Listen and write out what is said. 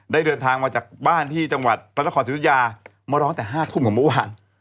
เดินทางมาจากบ้านที่จังหวัดพระนครสิทธิยามาร้องแต่๕ทุ่มของเมื่อวาน